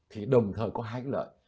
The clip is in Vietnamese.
thì đồng thời có hai cái lợi